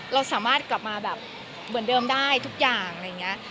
เราสามารถกลับมาแบบเหมือนเดิมได้ทุกอย่างอะไรอย่างนี้